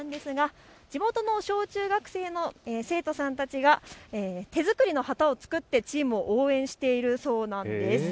地元の小中学生の生徒さんたちが手作りの旗を作ってチームを応援しているそうなんです。